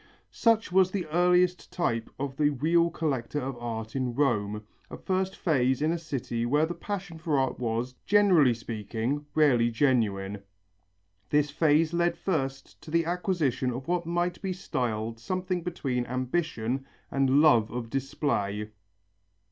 Such was the earliest type of the real collector of art in Rome, a first phase in a city where the passion for art was, generally speaking, rarely genuine. This phase led first to the acquisition of what might be styled something between ambition and love of display.